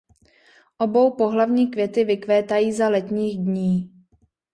Oboupohlavní květy vykvétají za letních dní.